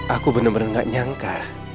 aku benar benar gak nyangka